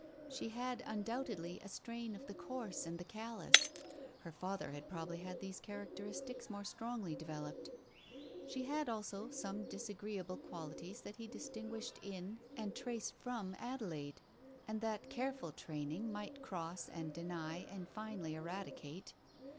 She had undoubtedly a strain of the coarse and the callous ; her father had probably had these characteristics more strongly developed. She had also some disagreeable qualities that he distinguished in and traced from Adelaide, and that careful training might cross and deny and finally eradicate.